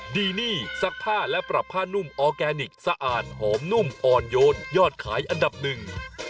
ดีนี่ซักผ้าและปรับผ้านุ่มออร์แกนิคสะอาดหอมนุ่มอ่อนโยนยอดขายอันดับหนึ่ง